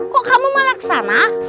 kok kamu malah ke sana